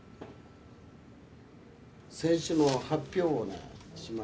選手の発表をします。